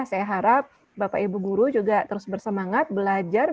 saya harap bapak ibu guru juga terus bersemangat belajar